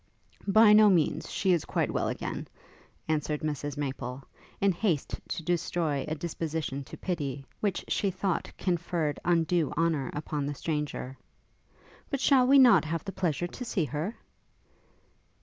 'By no means. She is quite well again,' answered Mrs Maple, in haste to destroy a disposition to pity, which she thought conferred undue honour upon the stranger. 'But shall we not have the pleasure to see her?'